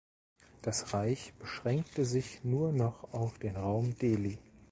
Das Reich beschränkte sich nur noch auf den Raum Delhi.